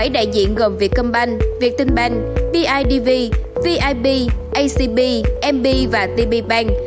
bảy đại diện gồm vietcombank viettinbank bidv vip acb mb và tb bank